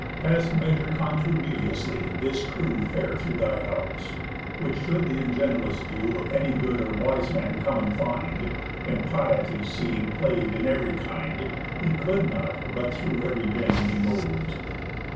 Past measure contumeliously this crew Fare through thy house; which should th' ingenuous view Of any good or wise man come and find, (Impiety seeing play'd in ev'ry kind) He could not but through ev'ry vein be mov'd."